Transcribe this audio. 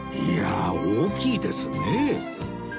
いやあ大きいですね